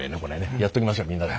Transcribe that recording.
やっときましょうみんなで。